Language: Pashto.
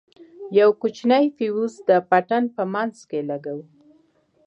يو کوچنى فيوز د پټن په منځ کښې لگوو.